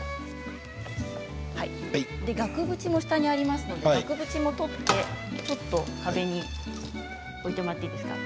額縁も下にありますのでちょっと壁に置いてもらっていいですか。